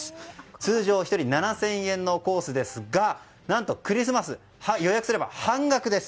通常１人７０００円のコースですが何とクリスマスに予約すれば半額です。